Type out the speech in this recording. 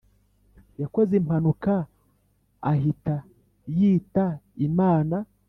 Yakoze impanuka ahita yita imana